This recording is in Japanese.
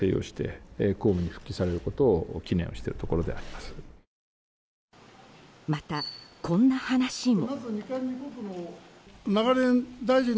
また、こんな話も。